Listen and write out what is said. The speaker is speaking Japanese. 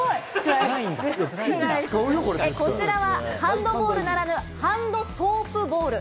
こちらはハンドボールならぬハンドソープボール。